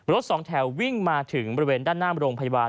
สองแถววิ่งมาถึงบริเวณด้านหน้าโรงพยาบาล